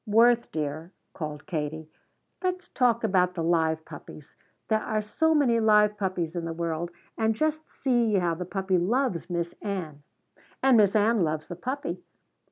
"Worth dear," called Katie, "let's talk about the live puppies. There are so many live puppies in the world. And just see how the puppy loves Miss Ann." "And Miss Ann loves the puppy.